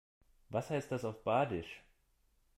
Was heißt das auf Badisch?